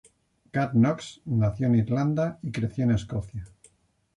Garth Knox nació en Irlanda y creció en Escocia.